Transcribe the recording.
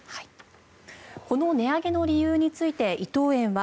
この値上げの理由について伊藤園は